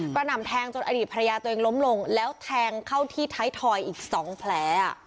หน่ำแทงจนอดีตภรรยาตัวเองล้มลงแล้วแทงเข้าที่ท้ายทอยอีก๒แผล